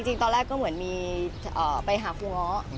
จริงตอนแรกก็เหมือนมีไปหาครูง้อ